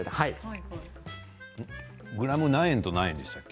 グラム何円でしたっけ。